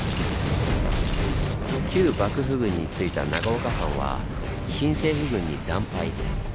旧幕府軍についた長岡藩は新政府軍に惨敗。